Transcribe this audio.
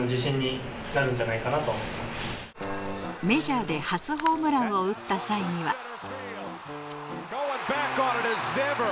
メジャーで初ホームランを打った際には。